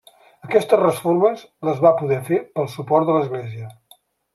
Aquestes reformes les va poder fer pel suport de l'Església.